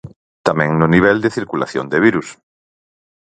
Tamén no nivel de circulación de virus.